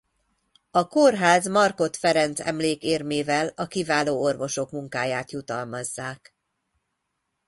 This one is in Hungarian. A kórház Markhot Ferenc-emlékérmével a kiváló orvosok munkáját jutalmazzák.